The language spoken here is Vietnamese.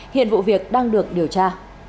hiện vụ việc đang được điều tra